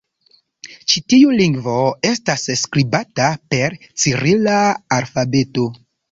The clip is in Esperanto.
Ĉi tiu lingvo estas skribata per cirila alfabeto.